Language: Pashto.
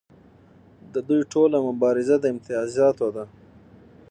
د دوی ټوله مبارزه د امتیازاتو ده.